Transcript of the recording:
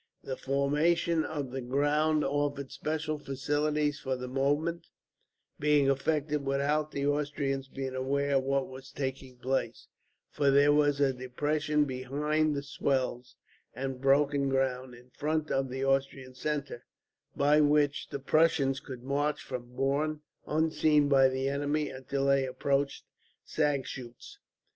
The formation of the ground offered special facilities for the movement being effected without the Austrians being aware of what was taking place, for there was a depression behind the swells and broken ground in front of the Austrian centre, by which the Prussians could march from Borne, unseen by the enemy, until they approached Sagschuetz.